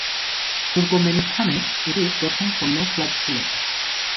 তুর্কমেনিস্তানে এটি প্রথম পণ্য ফ্লাইট ছিল।